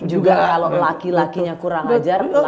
juga kalau laki lakinya kurang ajar